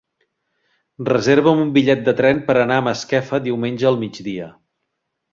Reserva'm un bitllet de tren per anar a Masquefa diumenge al migdia.